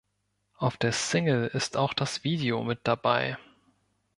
Auf der Single ist auch das Video mit dabei.